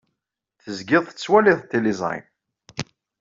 Tezgiḍ tettwaliḍ tiliẓri.